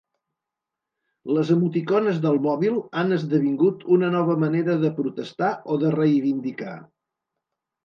Les emoticones del mòbil han esdevingut una nova manera de protestar o de reivindicar.